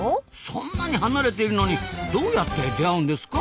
そんなに離れてるのにどうやって出会うんですか？